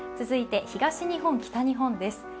続いて東日本、北日本です。